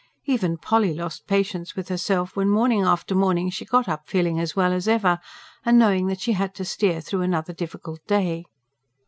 Even Polly lost patience with herself when, morning after morning, she got up feeling as well as ever, and knowing that she had to steer through another difficult day.